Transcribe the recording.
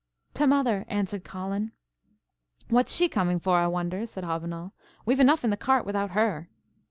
"T' mother," answered Colin. "What's she coming for, I wonder," said Hobbinoll; "we've enough in the cart without her."